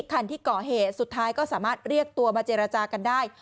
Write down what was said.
คันที่ก่อเหตุสุดท้ายก็สามารถเรียกตัวมาเจรจากันได้